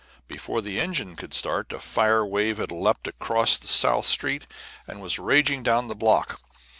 Before the engines could start, a fire wave had leaped across South Street and was raging down the block.